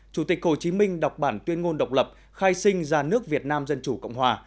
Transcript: chủ tịch hồ chí minh đọc bản tuyên ngôn độc lập khai sinh ra nước việt nam dân chủ cộng hòa